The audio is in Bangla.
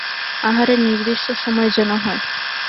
আহারের নির্দিষ্ট সময় যেন হয়।